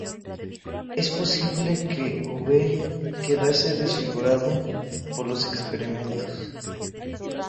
Es posible que V quedase desfigurado por los experimentos.